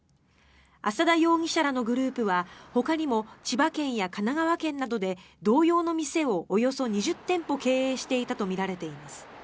浅田容疑者らのグループはほかにも千葉県や神奈川県などで同様の店をおよそ２０店舗経営していたとみられています。